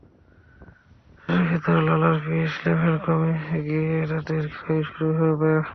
মুখের ভেতর লালার pH level কমে গিয়ে দাঁতের ক্ষয় শুরু হবে।